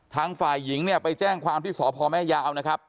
ทางฝ่ายหญิงเนี่ยไปแจ้งความที่สพแม่ยาวนะครับ